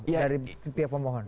dari tiap omongan